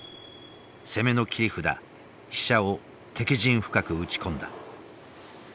攻めの切り札飛車を敵陣深く打ち込んだ。